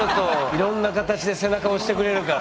いろんな形で背中を押してくれるから。